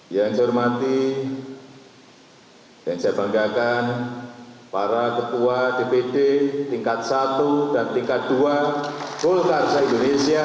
yang saya hormati dan saya banggakan para ketua dpd tingkat satu dan tingkat dua golkar se indonesia